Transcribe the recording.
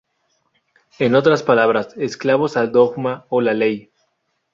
En otras palabras esclavos al dogma o la ley.